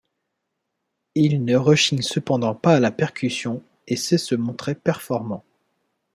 Il ne rechigne cependant pas à la percussion et sait se montrer perforant.